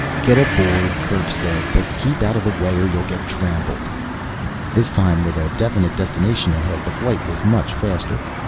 "Get aboard," Kerk said. "But keep out of the way or you'll get trampled." This time, with a definite destination ahead, the flight was much faster.